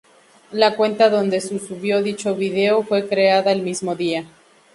La cuenta donde subió dicho vídeo fue creada el mismo día.